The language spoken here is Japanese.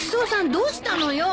どうしたのよ？